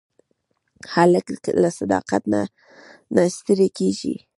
هلک له صداقت نه نه ستړی کېږي.